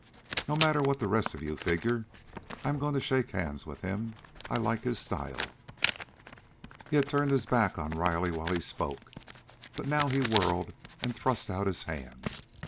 No matter what the rest of you figure, I'm going to shake hands with him. I like his style!" He had turned his back on Riley while he spoke, but now he whirled and thrust out his hand.